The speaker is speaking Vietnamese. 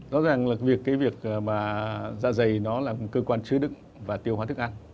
rõ ràng là cái việc dạ dày nó là cơ quan chứa đựng và tiêu hóa thức ăn